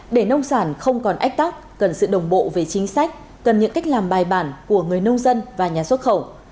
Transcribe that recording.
để nông sản không còn ách tắc cần sự đồng bộ về chính sách cần những cách làm bài bản của người nông dân và nhà xuất khẩu